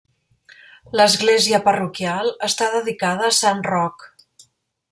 L'església parroquial està dedicada a Sant Roc.